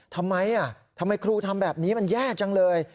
ทำไมทำไมครูทำแบบนี้มันแย่จังเลย